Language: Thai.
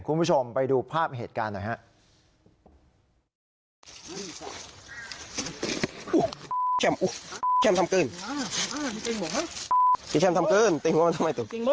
คุณผู้ชมไปดูภาพเหตุการณ์หน่อยครับ